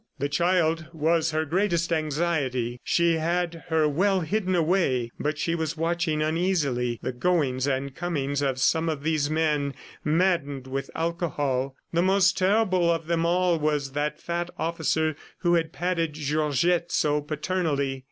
The child was her greatest anxiety. She had her well hidden away, but she was watching uneasily the goings and comings of some of these men maddened with alcohol. The most terrible of them all was that fat officer who had patted Georgette so paternally.